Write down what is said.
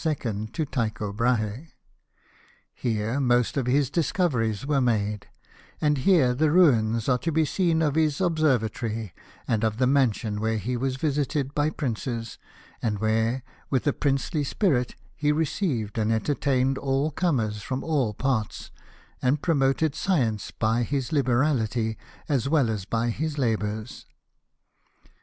to Tycho Brahe. Here most of his discoveries were made ; and here the ruins are to be seen of his ob servatory, and of the mansion where he was visited by princes, and where, with a princely spirit, he re ceived and entertained all comers from all parts, and promoted science by his liberality, as well as by his labours.